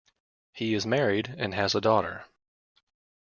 He is married and has a daughter.